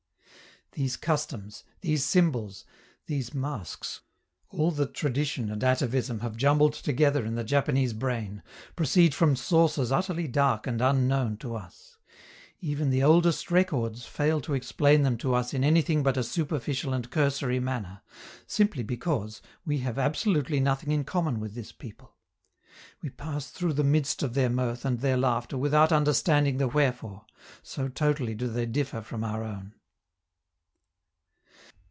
These customs, these symbols, these masks, all that tradition and atavism have jumbled together in the Japanese brain, proceed from sources utterly dark and unknown to us; even the oldest records fail to explain them to us in anything but a superficial and cursory manner, simply because we have absolutely nothing in common with this people. We pass through the midst of their mirth and their laughter without understanding the wherefore, so totally do they differ from our own.